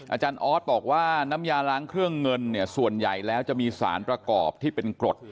อาจารย์ออสบอกว่าน้ำยาล้างเครื่องเงินเนี่ยส่วนใหญ่แล้วจะมีสารประกอบที่เป็นกรด